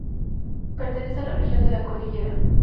Pertenece a la región de La Cordillera.